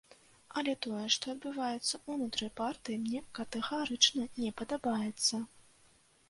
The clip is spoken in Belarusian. Але тое, што адбываецца ўнутры партыі, мне катэгарычна не падабаецца.